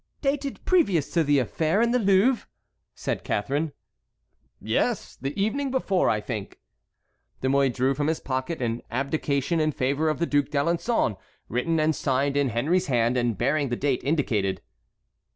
"Dated previous to the affair in the Louvre?" said Catharine. "Yes, the evening before, I think." De Mouy drew from his pocket an abdication in favor of the Duc d'Alençon, written and signed in Henry's hand, and bearing the date indicated.